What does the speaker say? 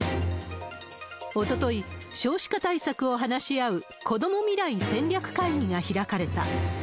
おととい、少子化対策を話し合うこども未来戦略会議が開かれた。